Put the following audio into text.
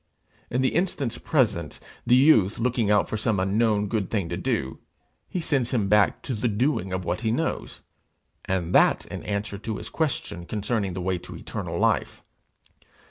In the instance present, the youth looking out for some unknown good thing to do, he sends him back to the doing of what he knows, and that in answer to his question concerning the way to eternal life.